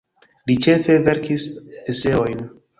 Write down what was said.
Li ĉefe verkis eseojn.